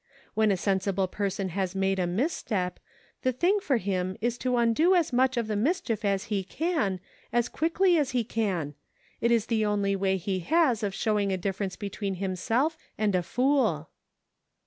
When a sensible per son has made a misstep, the thing for him is to undo as much of the mischief as he can, as quickly as he can ; it is the only way he has of showing the difference between himself and a fool."